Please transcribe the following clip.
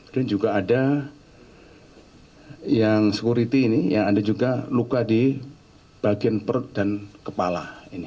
dan juga ada yang sekuriti ini yang ada juga luka di bagian perut dan kepala